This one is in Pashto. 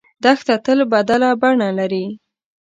دښته تل بدله بڼه لري.